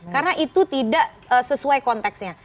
karena itu tidak sesuai konteksnya